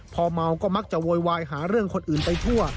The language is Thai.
พอเมาก็มักจะโวยวายหาเรื่องคนอื่นไปทั่ว